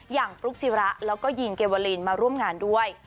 อย่างฟลุ๊กจิระแล้วก็ยีนเกเวลีนมาร่วมงานด้วย